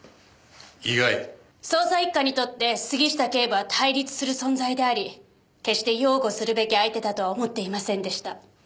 捜査一課にとって杉下警部は対立する存在であり決して擁護するべき相手だとは思っていませんでした。